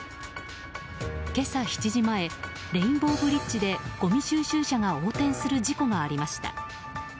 今朝７時前レインボーブリッジでごみ収集車が横転する事故がありました。